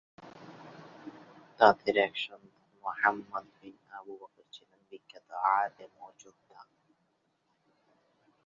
তাদের এক সন্তান মুহাম্মাদ বিন আবু বকর ছিলেন বিখ্যাত আলেম ও যোদ্ধা।